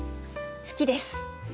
好きです。